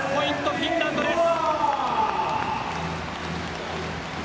フィンランドです。